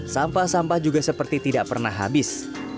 sampah sampah juga seperti tidak pernah habis